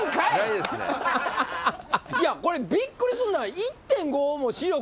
いやこれびっくりするのは。